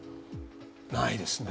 ないですね。